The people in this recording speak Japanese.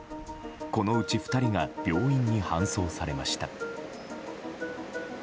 このうち２人が病院に搬送されました。